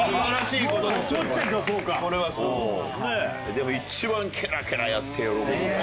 でも一番ケラケラやって喜ぶよ。